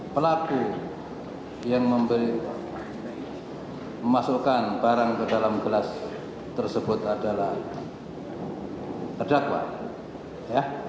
pelaku yang memasukkan barang ke dalam gelas tersebut adalah terdakwa ya